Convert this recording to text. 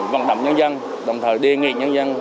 vận động nhân dân đồng thời đề nghị nhân dân